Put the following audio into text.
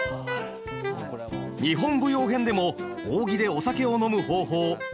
日本舞踊編でも扇でお酒を飲む方法学びましたよね。